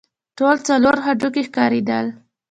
ټول څلور هډوکي ښکارېدل.